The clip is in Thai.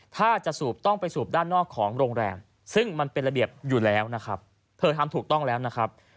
ถ้าจะสูบต้องไปสูบด้านนอกของโรงแรมซึ่งมันเป็นระเบียบอยู่แล้วนะครับเธอทำถูกต้องแล้วนะครับ